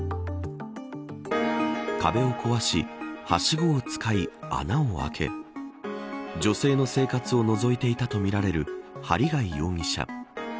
壁を壊し、はしごを使い穴を開け女性の生活をのぞいていたとみられる針谷容疑者。